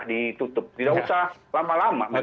kita tutup tidak usah lama lama memang